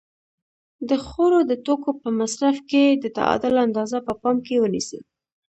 د خوړو د توکو په مصرف کې د تعادل اندازه په پام کې ونیسئ.